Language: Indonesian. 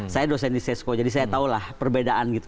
saya dosen di sesko jadi saya tahulah perbedaan gitu